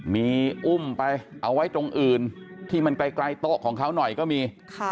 มีอุ้มไปเอาไว้ตรงอื่นที่มันไกลโต๊ะของเขาหน่อยก็มี